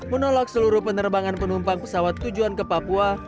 menolak seluruh penerbangan penumpang pesawat tujuan ke papua